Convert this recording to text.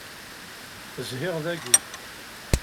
Zhiɣ dagi.